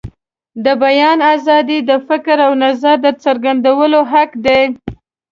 د بیان آزادي د فکر او نظر د څرګندولو حق دی.